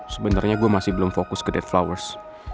sebenarnya gue masih belum fokus ke dead flowers